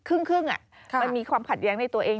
ครึ่งมันมีความขัดแย้งในตัวเอง